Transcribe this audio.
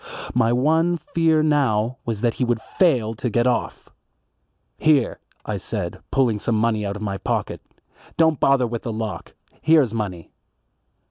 My one fear now was that he would fail to get off. "Here," I said, pulling some money out of my pocket, "don't bother with the lock. Here's money."